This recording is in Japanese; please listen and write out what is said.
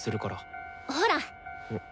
ほら。